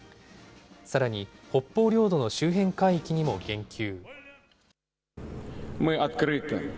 さらに、北方領土の周辺海域にも言及。